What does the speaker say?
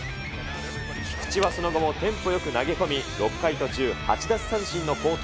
菊池はその後もテンポよく投げ込み、６回途中、８奪三振の好投。